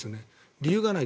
理由がない。